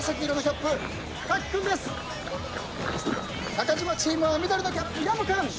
中島チームは緑のキャップ薮君。